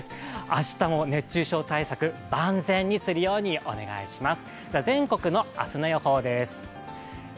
明日も熱中症対策、万全にするようお願いします。